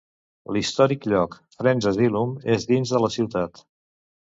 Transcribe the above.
L'històric lloc French Azilum és dins de la ciutat.